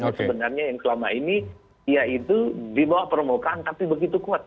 sebenarnya yang selama ini ya itu di bawah permukaan tapi begitu kuat